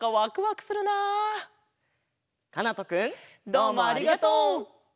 どうもありがとう！